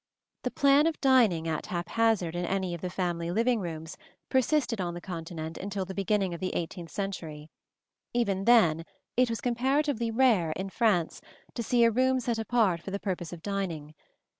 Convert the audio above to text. The plan of dining at haphazard in any of the family living rooms persisted on the Continent until the beginning of the eighteenth century: even then it was comparatively rare, in France, to see a room set apart for the purpose of dining.